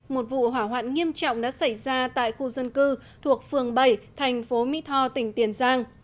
một vụ hỏa hoạn nghiêm trọng đã xảy ra tại khu dân cư thuộc phường bảy thành phố mỹ tho tỉnh tiền giang